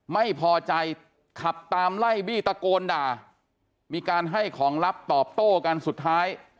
ไม่พอใจขับตามไล่บี้ตะโกนด่ามีการให้ของลับตอบโต้กันสุดท้าย